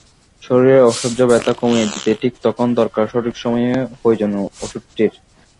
শরীরের অসহ্য ব্যথা কমিয়ে দিতে ঠিক তখন দরকার সঠিক সময়ে প্রয়োজনীয় ওষুধটির।